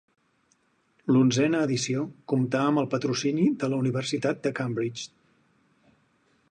L'onzena edició comptà amb el patrocini de la Universitat de Cambridge.